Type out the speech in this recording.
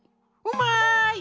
うまい！